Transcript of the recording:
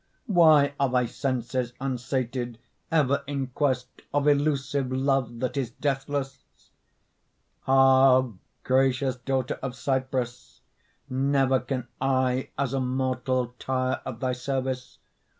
Why are thy senses unsated Ever in quest of elusive Love that is deathless? Ah, gracious Daughter of Cyprus, Never can I as a mortal Tire of thy service.